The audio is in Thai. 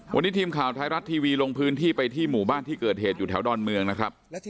วันนี้ทีมข่าวไทยรัฐทีวีลงพื้นที่ไปที่หมู่บ้านที่เกิดเหตุอยู่แถวดอนเมืองนะครับ